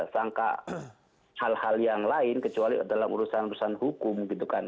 sangka hal hal yang lain kecuali dalam urusan urusan hukum gitu kan